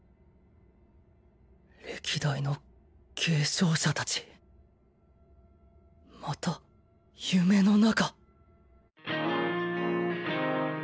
歴代の継承者達また夢の中